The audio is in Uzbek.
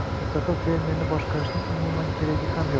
mustaqil fermerni boshqarishning umuman keragi ham yo‘q.